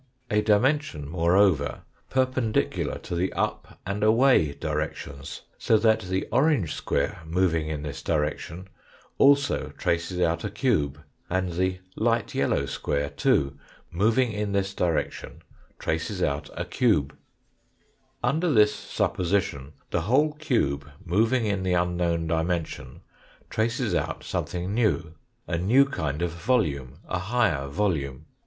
A dimension, moreover, perpendicular to the up and away directions, so that the orange square moving in this direction also traces out a cube, and the light yellow square, too, moving jn this direction traces out a cub. 172 THE FOURTH DIMENSION Under this supposition, the whole cube moving in the unknown dimension, traces out something new a new kind of volume, a higher volume.